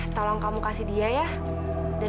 tolong kamu kasih dia ya dan